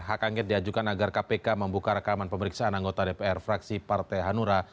hak angket diajukan agar kpk membuka rekaman pemeriksaan anggota dpr fraksi partai hanura